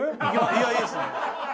いやいいですね。